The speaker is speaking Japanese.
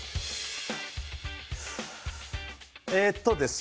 えっとですね